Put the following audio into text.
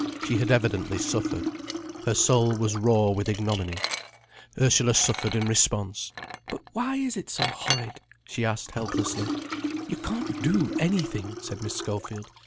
She had evidently suffered. Her soul was raw with ignominy. Ursula suffered in response. "But why is it so horrid?" she asked, helplessly. "You can't do anything," said Miss Schofield.